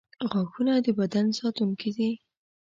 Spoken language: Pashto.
• غاښونه د بدن ساتونکي دي.